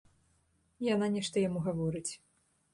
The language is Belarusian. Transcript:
Яна нешта яму гаворыць.